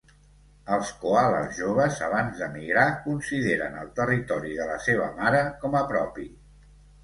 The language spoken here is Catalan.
Els coales joves abans d'emigrar consideren el territori de la seva mare com a propi.